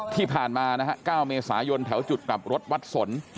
ที่ผ่านมานะฮะ๙เมษายนแถวจุดกลับรถวัดสน